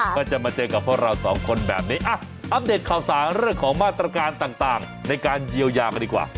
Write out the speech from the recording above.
ก็จะมาเจอกับพวกเราสองคนแบบนี้อัปเดตข่าวสารเรื่องของมาตรการต่างในการเยียวยากันดีกว่า